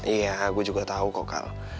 iya gue juga tau kok kal